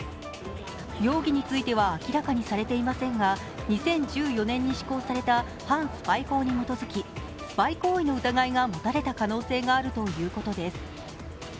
容疑については明らかにされていませんが、２０１４年に施行された反スパイ法に基づきスパイ行為の疑いが持たれた可能性があるということです。